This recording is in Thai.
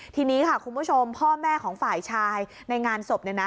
ทีนี้ค่ะคุณผู้ชมพ่อแม่ของฝ่ายชายในงานศพ